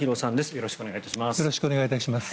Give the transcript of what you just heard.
よろしくお願いします。